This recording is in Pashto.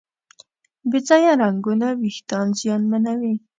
بې ځایه رنګونه وېښتيان زیانمنوي.